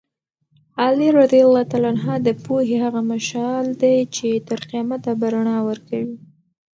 علي رض د پوهې هغه مشعل دی چې تر قیامته به رڼا ورکوي.